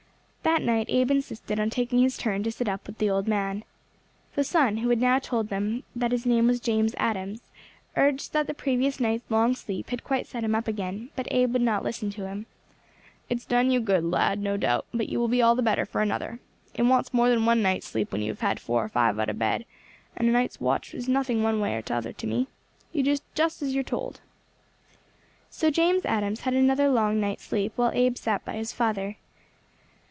That night Abe insisted on taking his turn to sit up with the old man. The son, who had now told them that his name was James Adams, urged that the previous night's long sleep had quite set him up again, but Abe would not listen to him. "It's done you good, lad, no doubt, but ye will be all the better for another. It wants more than one night's sleep when you have had four or five out of bed, and a night's watch is nothing one way or other to me. You just do as you are told." So James Adams had another long night's sleep, while Abe sat by his father.